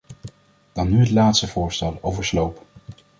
Dan nu het laatste voorstel, over sloop.